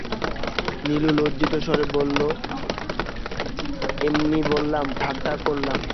নীলু লজ্জিত স্বরে বলল, এমনি বললাম, ঠাট্টা করলাম।